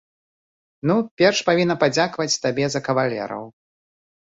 Ну, перш павінна падзякаваць табе за кавалераў.